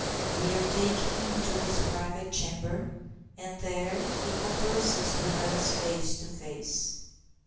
We are taken into his private chamber, and there he converses with us face to face.